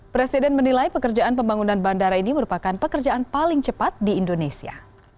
presiden menilai pekerjaan pembangunan bandara ini merupakan pekerjaan paling cepat di indonesia